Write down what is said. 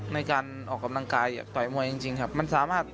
ในการออกกำลังกายอยากต่อยมวยจริงครับ